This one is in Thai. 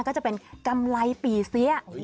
ก็จะเป็นกำไรปี่เสีย